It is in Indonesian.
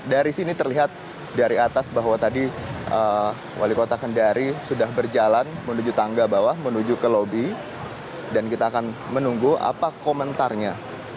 dari sini terlihat dari atas bahwa tadi wali kota kendari sudah berjalan menuju tangga bawah menuju ke lobi dan kita akan menunggu apa komentarnya